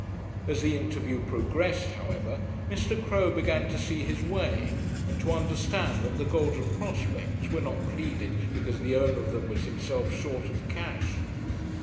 As the interview progressed, however, Mr. Crowe began to see his way, and to understand that the golden prospects were not pleaded because the owner of them was himself short of cash.